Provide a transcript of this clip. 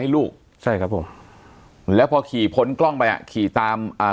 แล้วพอขี่พ้นกล้องไปอ่ะขี่ตามอ่า